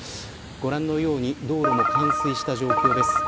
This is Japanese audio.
ご覧のように道路も冠水した状況です。